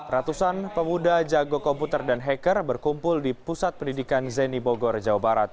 ratusan pemuda jago komputer dan hacker berkumpul di pusat pendidikan zeni bogor jawa barat